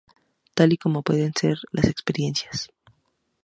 Tal y como pueden ser las experiencias.